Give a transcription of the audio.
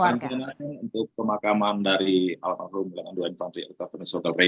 ya dan jenazahnya untuk pemakaman dari almarhum dengan dua infanteri